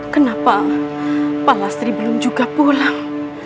kenapa pak lastri belum juga pulang